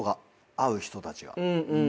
あう人たちが。